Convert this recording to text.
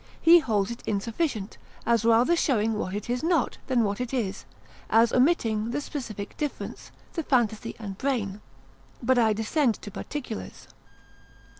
he holds it insufficient: as rather showing what it is not, than what it is: as omitting the specific difference, the phantasy and brain: but I descend to particulars.